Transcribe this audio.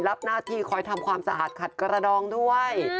รับหน้าที่คอยทำความสะอาดขัดกระดองด้วย